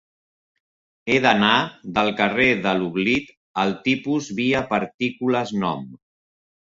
He d'anar del carrer de l'Oblit al TIPUS_VIA PARTICULES NOM.